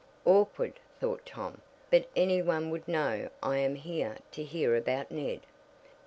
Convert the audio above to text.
"Awkward," thought Tom, "but any one would know I am here to hear about Ned."